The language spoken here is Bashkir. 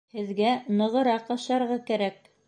Һеҙгә нығыраҡ ашарға кәрәк.